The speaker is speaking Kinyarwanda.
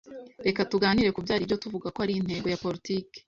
reka tuganire kubyo aribyo tuvuga ko ari intego ya Politiki